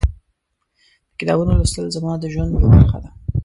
د کتابونو لوستل زما د ژوند یوه برخه ده.